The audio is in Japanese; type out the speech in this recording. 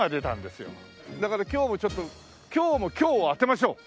だから今日もちょっと今日も「凶」を当てましょう！